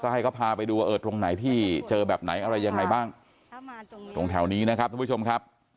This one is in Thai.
ให้พี่เจอแบบไหนอะไรยังไงบ้างตรงแถวนี้นะครับทุกผู้ชมครับ